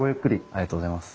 ありがとうございます。